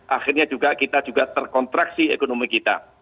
akhirnya juga kita juga terkontraksi ekonomi kita